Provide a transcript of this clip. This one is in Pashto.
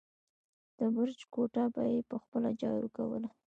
د برج کوټه به يې په خپله جارو کوله.